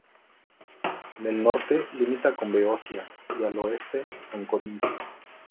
En el norte, limita con Beocia y al oeste con Corinto.